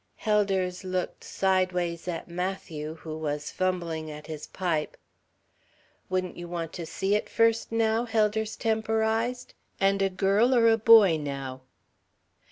Helders looked sidewise at Matthew, who was fumbling at his pipe. "Wouldn't you want to see it first, now?" Helders temporized. "And a girl or a boy, now?"